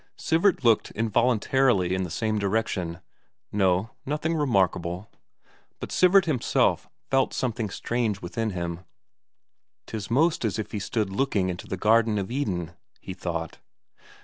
Sivert looked involuntarily in the same direction. No nothing remarkable. But Sivert himself felt something strange within him: "'Tis most as if he stood looking into the garden of Eden," he thought.